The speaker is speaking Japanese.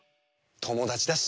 ともだちだし。